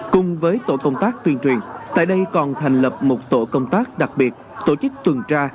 cùng với tổ công tác tuyên truyền tại đây còn thành lập một tổ công tác đặc biệt tổ chức tuần tra